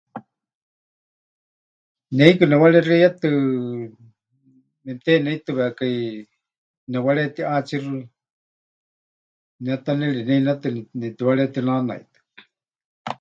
Ne hiikɨ newarexeiyatɨ mepɨteneitɨwekai nepɨwaretiʼaatsíxɨ, ne ta nereneinetɨ netiwaretinaanaitɨa.